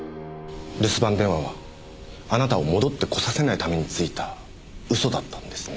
留守番電話はあなたを戻ってこさせないためについた嘘だったんですね。